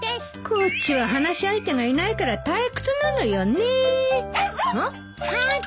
こっちは話し相手がいないから退屈なのよねえ・ワンワン。